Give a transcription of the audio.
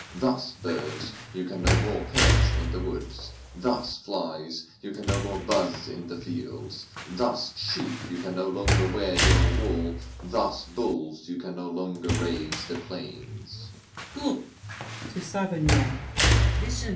Thus, birds, you can no more perch in the woods; Thus, flies, you can no more buzz in the fields; Thus, sheep, you can no longer wear your wool; Thus, bulls, you can no longer raze the plains."